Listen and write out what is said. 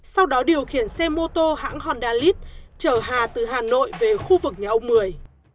sau đó điều khiển xe mô tô hãng honda lith chở hà từ hà nội về khu vực nhà ông mười